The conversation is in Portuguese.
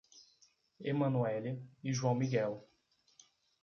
Emanuelly e João Miguel